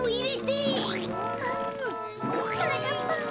あっはなかっぱん。